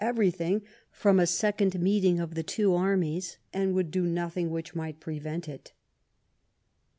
everything from a second meeting of the two armies, and would do nothing which might prevent it.